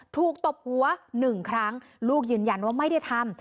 ถูกตบหัว๑ครั้งลูกยืนยันว่าไม่ได้ทำ